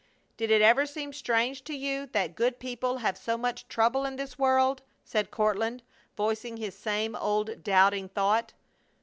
"Did it ever seem strange to you that good people have so much trouble in this world?" said Courtland, voicing his same old doubting thought.